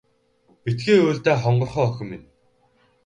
Битгий уйл даа хонгорхон охин минь.